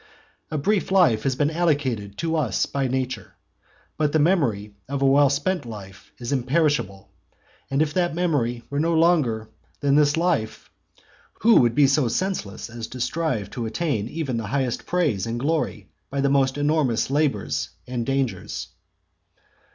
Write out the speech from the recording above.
A brief life has been allotted to us by nature; but the memory of a well spent life is imperishable. And if that memory were no longer than this life, who would be so senseless as to strive to attain even the highest praise and glory by the most enormous labours and dangers?